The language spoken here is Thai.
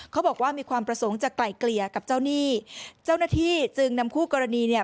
เขาบอกว่ามีความประสงค์จะไกล่เกลี่ยกับเจ้าหนี้เจ้าหน้าที่จึงนำคู่กรณีเนี่ย